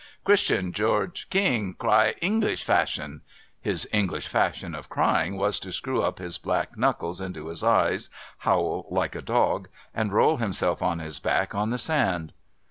' Christian George King cry, English fashion !' His English fashion of crying was to screw his black knuckles into his eyes, howl like a dog, and roll himself on his back on the sand.